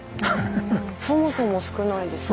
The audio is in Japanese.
そもそも少ないですよね。